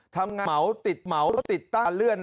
ทำงาเหมาติดเหมาติดตั้งเลื่อน